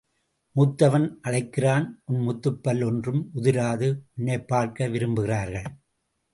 மூத்தவன் அழைக்கிறான் உன்முத்துப் பல் ஒன்றும் உதிராது உன்னைப்பார்க்க விரும்புகிறார்கள்.